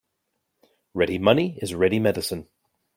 Ready money is ready medicine.